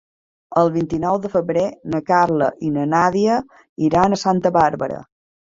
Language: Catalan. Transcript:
El vint-i-nou de febrer na Carla i na Nàdia iran a Santa Bàrbara.